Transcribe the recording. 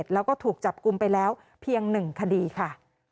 แล้วก็ถูกจับกลุ่มไปแล้วเพียง๑คดีค่ะ